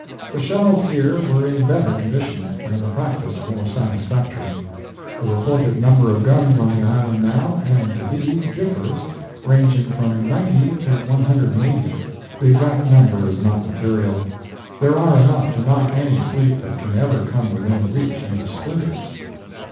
The shells here were in better condition, and the practice more satisfactory. The reported number of guns on the Island now, and to be, differs, ranging from ninety to one hundred and eighty. The exact number is not material. There are enough to knock any fleet that can ever come within reach into splinters.